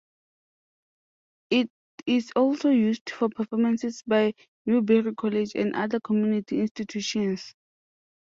It is also used for performances by Newberry College and other community institutions.